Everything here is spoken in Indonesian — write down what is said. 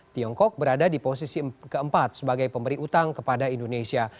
tiongkok berada di posisi keempat sebagai pemberi utang kepada indonesia